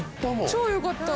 超良かった。